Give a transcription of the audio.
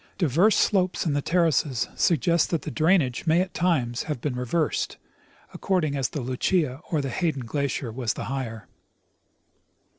Diverse slopes in the terraces suggest that the drainage may at times have been reversed, ac cording as the Lucia or the Hayden glacier was the higher.